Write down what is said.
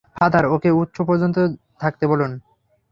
Father, ওকে উৎস পর্যন্ত থাকতে বলুন।